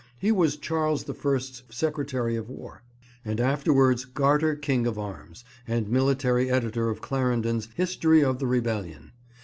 He was Charles the First's Secretary of War, and afterwards Garter King of Arms and military editor of Clarendon's History of the Rebellion.